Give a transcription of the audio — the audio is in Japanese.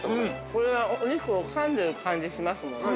◆これはお肉をかんでる感じしますもんね。